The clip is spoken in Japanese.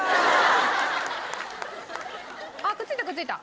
あっくっついたくっついた！